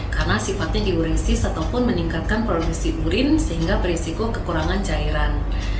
karena sifatnya diurisis ataupun meningkatkan produksi urin sehingga berisiko kekurangan cairan